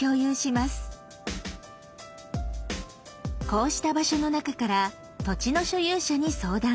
こうした場所の中から土地の所有者に相談。